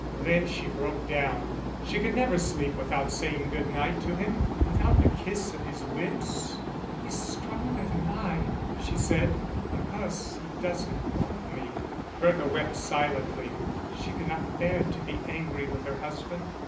Then she broke down; she could never sleep without saying good night to him, without the kiss of his lips. "He's stronger than I," she said, "because he doesn't love me." Bertha wept silently; she could not bear to be angry with her husband.